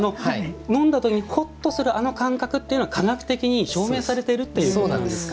飲んだ時にほっとするあの感覚というのは科学的に証明されているということなんですか。